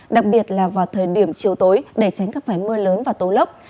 đặc biệt là vào thời điểm chiều tối để tránh các vải mưa lớn và tố lốc